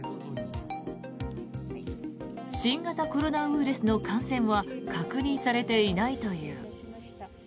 新型コロナウイルスの感染は確認されていないという。